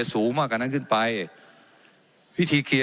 เจ้าหน้าที่ของรัฐมันก็เป็นผู้ใต้มิชชาท่านนมตรี